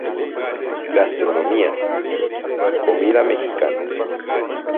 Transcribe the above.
Gastronomía: Comida mexicana.